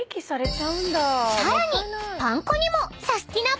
［さらに］